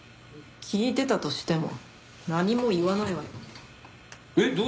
「聞いてたとしても何も言わないわよ」